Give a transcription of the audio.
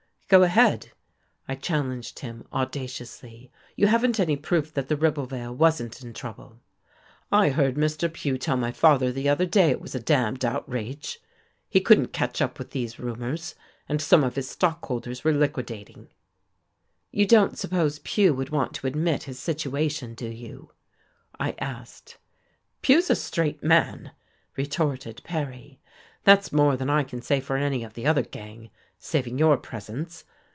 "Go ahead," I challenged him audaciously. "You haven't any proof that the Ribblevale wasn't in trouble." "I heard Mr. Pugh tell my father the other day it was a d d outrage. He couldn't catch up with these rumours, and some of his stockholders were liquidating." "You, don't suppose Pugh would want to admit his situation, do you?" I asked. "Pugh's a straight man," retorted Perry. "That's more than I can say for any of the other gang, saving your presence.